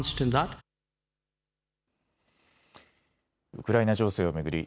ウクライナ情勢を巡り